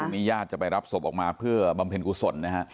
มิญญาตรจะไปรับศพออกมาเพื่อบำเพ็ญกุศล